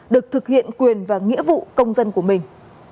được thực hiện quyền và nghĩa vụ công dân của mình